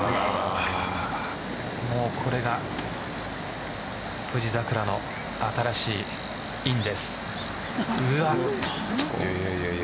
これが富士桜の新しいインです。